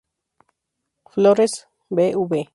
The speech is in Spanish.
Flores, Bv.